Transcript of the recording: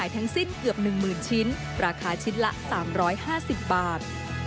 ทั้งสิ้นเกือบ๑๐๐๐ชิ้นราคาชิ้นละ๓๕๐บาท